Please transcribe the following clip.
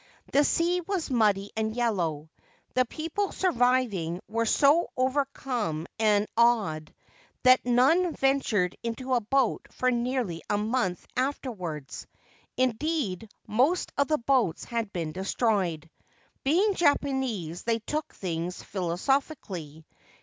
The sea was muddy and yellow. The people surviving were so overcome and awed that none ventured into a boat for nearly a month afterwards ; indeed, most of the boats had been. destroyed. Being Japanese, they took things philosophically.